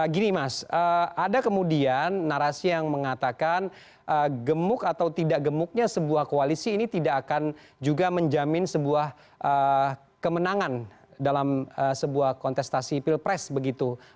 gini mas ada kemudian narasi yang mengatakan gemuk atau tidak gemuknya sebuah koalisi ini tidak akan juga menjamin sebuah kemenangan dalam sebuah kontestasi pilpres begitu